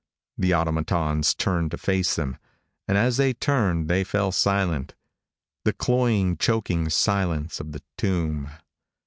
The automatons turned to face them. And as they turned they fell silent the cloying, choking silence of the tomb.